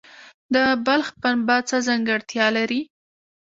د بلخ پنبه څه ځانګړتیا لري؟